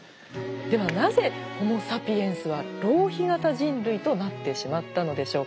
ではなぜホモ・サピエンスは浪費型人類となってしまったのでしょうか。